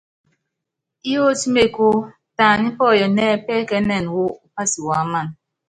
Yiɔtí mekú, tɛ ani pɔyɔnɛ́ɛ́ pɛ́kɛ́ɛ́nɛn wɔ upási wuáman.